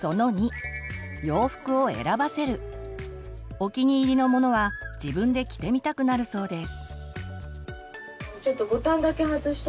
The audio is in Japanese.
お気に入りのものは自分で着てみたくなるそうです。